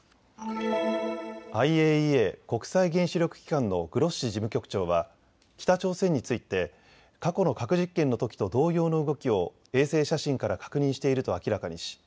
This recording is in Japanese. ＩＡＥＡ・国際原子力機関のグロッシ事務局長は北朝鮮について過去の核実験のときと同様の動きを衛星写真から確認していると明らかにし